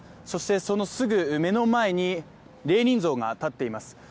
そして、そのすぐ目の前にレーニン像が立っています。